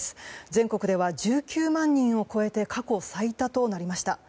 全国では１９万人を超えて過去最多となりました。